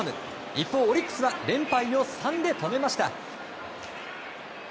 一方、オリックスは連敗を３で止めました。